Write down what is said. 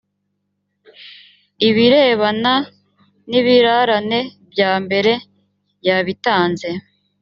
ibirebana n ibirarane bya mbere yabitanze.